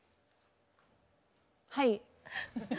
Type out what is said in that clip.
はい。